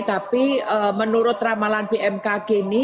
tapi menurut ramalan bmkg ini